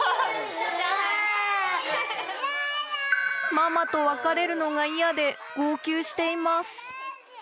ママと別れるのが嫌で号泣しています。